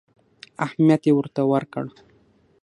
اهمیت یې ورته ورکړ.